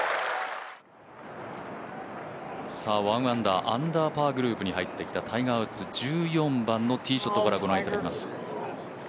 １アンダーアンダーパーグリーンに入ってきたタイガー・ウッズ、１４番のティーショットから御覧いただきます。